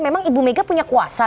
memang ibu mega punya kuasa